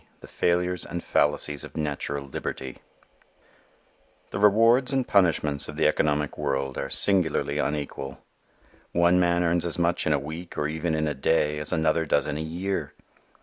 The Failures and Fallacies of Natural Liberty_ THE rewards and punishments of the economic world are singularly unequal. One man earns as much in a week or even in a day as another does in a year.